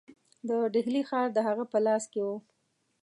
د ډهلي ښار د هغه په لاس کې وو.